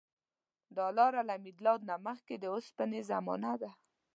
دا لاره له میلاد نه مخکې د اوسپنې زمانې ده.